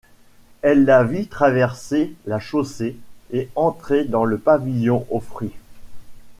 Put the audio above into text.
Elle la vit traverser la chaussée et entrer dans le pavillon aux fruits.